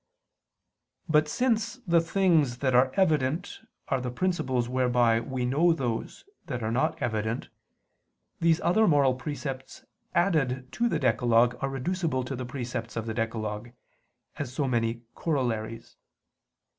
But since the things that are evident are the principles whereby we know those that are not evident, these other moral precepts added to the decalogue are reducible to the precepts of the decalogue, as so many corollaries.